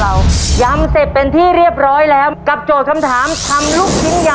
หัวหนึ่งหัวหนึ่ง